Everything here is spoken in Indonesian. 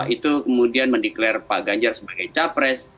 itu kemudian mendeklarasi pak ganjar sebagai capres